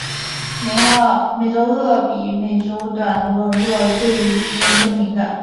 美洲鳄比美国短吻鳄对于低温更敏感。